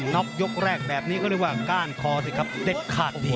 ็อกยกแรกแบบนี้เขาเรียกว่าก้านคอสิครับเด็ดขาดที